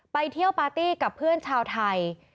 ไปเที่ยวปาร์ตี้กับเพื่อนชาวไทย